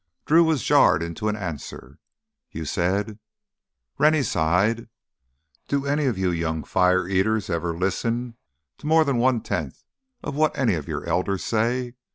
Drew was jarred into an answer. "You said——" Rennie sighed. "Do any of you young fire eaters ever listen to more than one tenth of what any of your elders say?